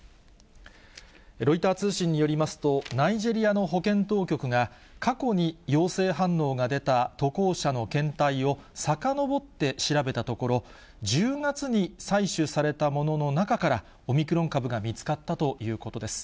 ロイター通信によりますと、ナイジェリアの保健当局が、過去に陽性反応が出た渡航者の検体をさかのぼって調べたところ、１０月に採取されたものの中から、オミクロン株が見つかったということです。